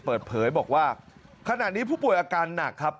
เปิดเผยบอกว่าขณะนี้ผู้ป่วยอาการหนักครับ